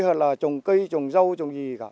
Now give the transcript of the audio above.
hay là trồng cây trồng rau trồng gì cả